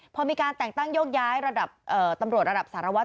พอมีการแต่งตั้งโยกย้ายระดับตำรวจระดับสารวัต